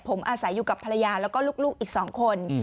ผมอาศัยอยู่กับภรรยาแล้วก็ลูกอีก๒คน